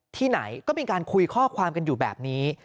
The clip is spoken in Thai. ที่ไหนก็มีการคุยข้อความกันอยู่แบบนี้